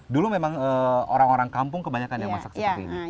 dulu memang orang orang kampung kebanyakan yang masak seperti ini